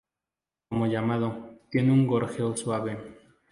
Como llamado, tienen un gorjeo suave.